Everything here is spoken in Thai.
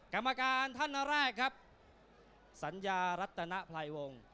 กรรมการธนแรกครับสัญญารัฐณะไพร่วง